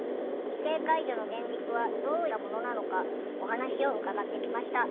異性介助の現実はどういったものなのかお話を伺ってきました。